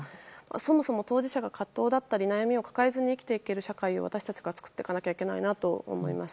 そもそも当事者が葛藤だったり悩みを抱えないで生きていける社会を私たちが作っていかないといけないと思います。